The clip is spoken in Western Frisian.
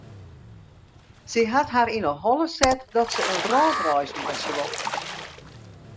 Sy hat har yn 'e holle set dat se in wrâldreis meitsje wol.